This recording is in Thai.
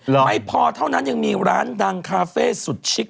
ไม่พอเท่านั้นยังมีร้านดังคาเฟ่สุดชิค